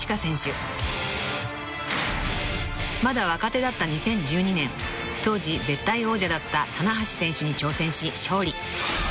［まだ若手だった２０１２年当時絶対王者だった棚橋選手に挑戦し勝利］